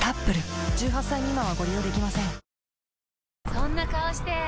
そんな顔して！